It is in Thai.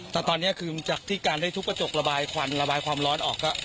แต่ตอนนี้คือจากที่การได้ทุบกระจกระบายควันระบายความร้อนออกก็